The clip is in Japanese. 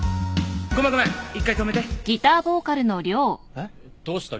えっどうした？